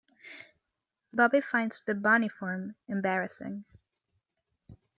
Bobby finds the bunny form embarrassing.